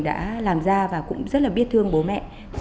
đã làm ra và cũng rất là biết thương bố mẹ